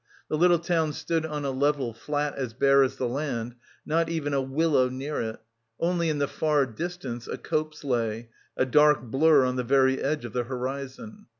The little town stood on a level flat as bare as the hand, not even a willow near it; only in the far distance, a copse lay, a dark blur on the very edge of the horizon.